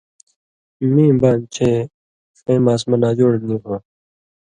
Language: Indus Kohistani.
میں بان چے میں ݜَیں ماسمہ ناجوڑ نی ہوں